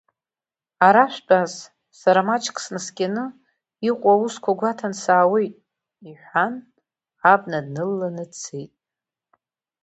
Ара шәтәаз, сара маҷк снаскьаны, иҟоу аусқәа гәаҭаны саауеит, — иҳәан, абна днылаланы дцеит.